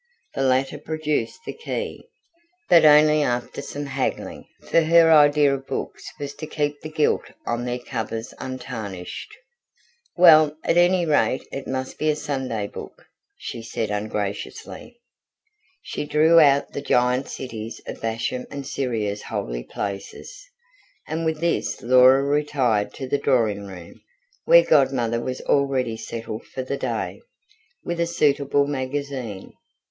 The latter produced the key, but only after some haggling, for her idea of books was to keep the gilt on their covers untarnished. "Well, at any rate it must be a Sunday book," she said ungraciously. She drew out THE GIANT CITIES OF BASHAN AND SYRIA'S HOLY PLACES, and with this Laura retired to the drawing room, where Godmother was already settled for the day, with a suitable magazine.